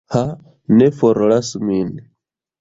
Ha, ne forlasu min!